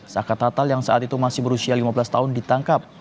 zakat natal yang saat itu masih berusia lima belas tahun ditangkap